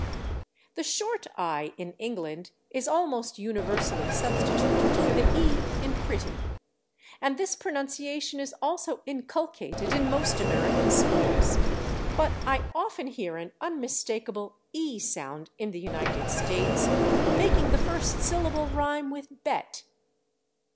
The [Pg175] short /i/, in England, is almost universally substituted for the /e/ in /pretty/, and this pronunciation is also inculcated in most American schools, but I often hear an unmistakable /e/ sound in the United States, making the first syllable rhyme with /bet